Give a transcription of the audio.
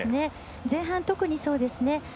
前半、特にそうですね。